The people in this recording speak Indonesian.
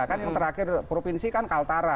kan yang terakhir provinsi kan kaltara